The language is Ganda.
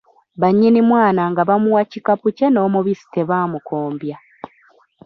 Bannyini mwana nga bamuwa kikapu kye n’omubisi tebamukombya.